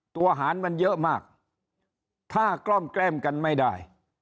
หารมันเยอะมากถ้ากล้อมแกล้มกันไม่ได้